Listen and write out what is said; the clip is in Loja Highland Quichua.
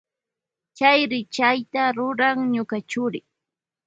Chay rikchayta rurak ñuka churi.